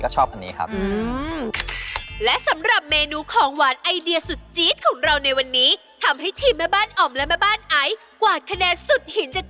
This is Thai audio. ขอบคุณเช้าแอบเอกมากเลยนะคะดิมราวราคาขอบคุณครับขอบคุณครับ